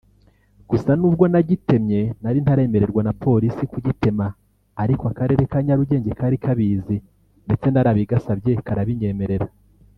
gusa nubwo nagitemye nari ntaremererwa na Polisi kugitema ariko Akarere ka Nyarugenge kari Kabizi ndetse narabigasabye karabinyemerera